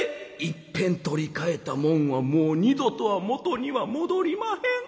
「いっぺん取り替えたもんはもう二度とは元には戻りまへん。